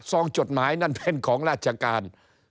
จดหมายนั่นเป็นของราชการ